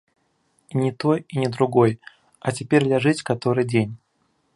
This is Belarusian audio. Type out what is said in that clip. І ні той, і ні другой, а цяпер ляжыць каторы дзень.